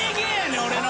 俺の。